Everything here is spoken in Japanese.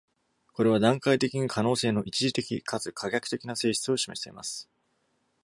これは、段階的に可能性の一時的かつ可逆的な性質を示しています。